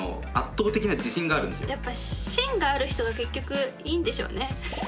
やっぱ芯がある人が結局いいんでしょうね。